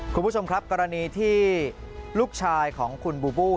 คุณผู้ชมครับกรณีที่ลูกชายของคุณบูบู